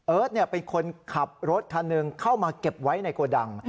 เป็นคนขับรถคันหนึ่งเข้ามาเก็บไว้ในโกดัง